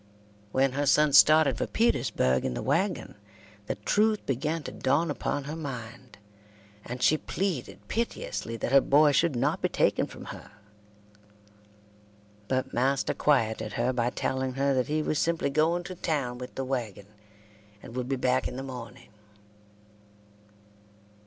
When her son started for Petersburgh in the wagon, the truth began to dawn upon her mind, and she pleaded piteously that her boy should not be taken from her; but master quieted her by telling her that he was simply going to town with the wagon, and would be back in the morning.